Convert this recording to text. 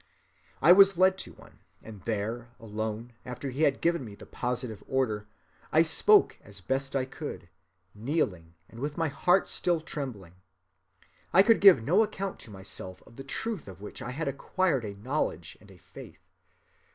I was led to one; and there, alone, after he had given me the positive order, I spoke as best I could, kneeling, and with my heart still trembling. I could give no account to myself of the truth of which I had acquired a knowledge and a faith.